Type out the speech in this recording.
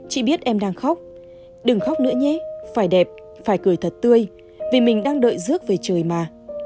chị biết em đang khóc đừng khóc nữa nhé phải đẹp phải cười thật tươi vì mình đang đợi dước về trời mà